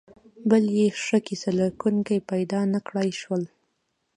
بل یې ښه کیسه لیکونکي پیدا نکړای شول.